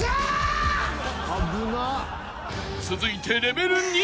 ［続いてレベル２。